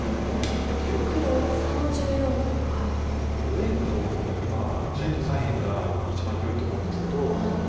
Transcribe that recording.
右辺と今左辺が一番広いと思うんですけど。